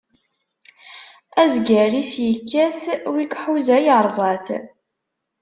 Azger-is ikkat, wi iḥuza iṛẓa-t.